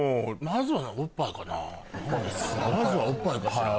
まずはおっぱいかしら？